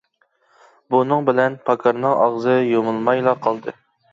بۇنىڭ بىلەن پاكارنىڭ ئاغزى يۇمۇلمايلا قالدى.